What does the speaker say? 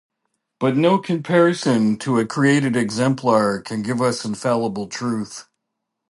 But no comparison to a created exemplar can give us infallible truth.